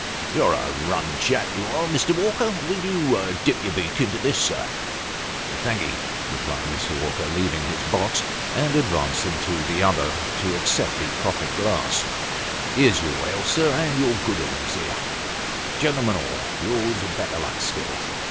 " You're a rum chap, you are, Mr. Walker will you dip your beak into this, sir?" " Thank'ee, sir," replied Mr. Walker, leaving his box, and advancing to the other to accept the proffered glass. " Here's your health, sir, and your good 'ooman's here. Gentlemen all yours, and better luck still.